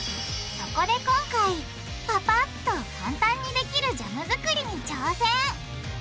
そこで今回パパっとかんたんにできるジャム作りに挑戦！